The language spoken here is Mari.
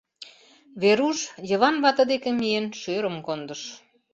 Веруш, Йыван вате дек миен, шӧрым кондыш.